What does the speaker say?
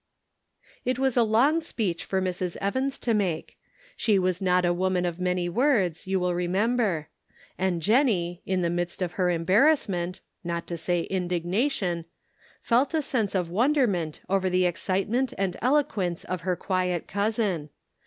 It was a long speech for Mrs. Evans to make. She was not a woman of many words, Shirking Responsibility. 439 you will remember ; and Jennie, in the midst of her embarrassment — not to say indignation — felt a sense of wonderment over the excite ment and eloquence of her quiet cousin.